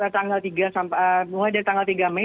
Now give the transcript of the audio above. tanggal tiga sampai mulai dari tanggal tiga mei